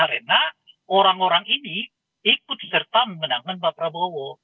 karena orang orang ini ikut serta memenangkan pak prabowo